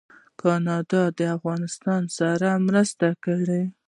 کاناډا د افغانستان سره مرسته کړې.